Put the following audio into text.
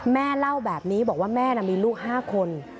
แม่เล่าแบบนี้บอกว่าแม่มีลูก๕คน